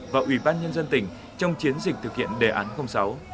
và ủy ban nhân dân tỉnh trong chiến dịch thực hiện đề án sáu